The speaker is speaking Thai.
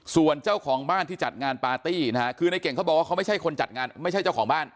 ส่วนเจ้าของบ้านที่จัดงานปาร์ตี้นะฮะคือในเก่งเขาบอกว่าเขาไม่ใช่คนจัดงานไม่ใช่เจ้าของบ้าน